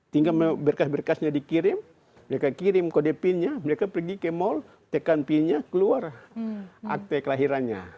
tinggal berkas berkasnya dikirim mereka kirim kode pinnya mereka pergi ke mall tekan pin nya keluar akte kelahirannya